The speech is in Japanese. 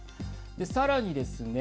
さらにですね